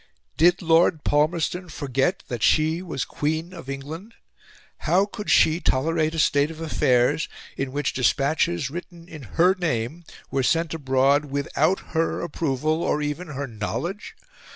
Did Lord Palmerston forget that she was Queen of England? How could she tolerate a state of affairs in which despatches written in her name were sent abroad without her approval or even her knowledge?